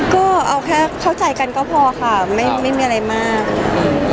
ก็เอาแค่เข้าใจกันก็พอค่ะไม่มีอะไรมากค่ะ